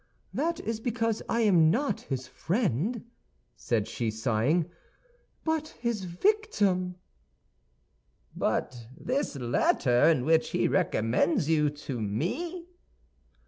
"That is because I am not his friend," said she, sighing, "but his victim!" "But this letter in which he recommends you to me?"